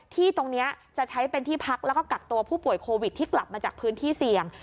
ที่ตรงนี้จะใช้เป็นที่พักแล้วก็กักตัวผู้ป่วยโควิดที่กลับมาจากพื้นที่เสี่ยง